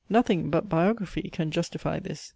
Nothing, but biography, can justify this.